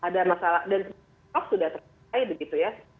dan sudah terjadi begitu ya